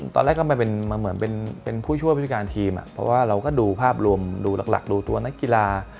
ตอนแรกก็มาเป็นเหมือนเป็นผู้ช่วยผู้จัดการทีมเพราะว่าเราก็ดูภาพรวมดูหลักดูตัวนักกีฬา